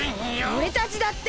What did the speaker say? おれたちだって！